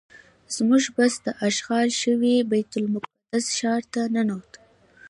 زموږ بس د اشغال شوي بیت المقدس ښار ته ننوت.